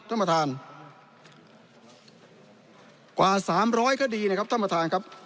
ท่านประธานกว่าสามร้อยคดีนะครับท่านประธานครับ